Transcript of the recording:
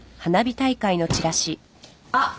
あっ。